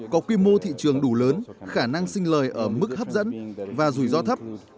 có quy mô thị trường đủ lớn khả năng sinh lời ở mức hấp dẫn và rủi ro thấp